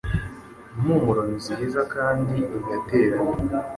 impumuro nziza kandi igaterana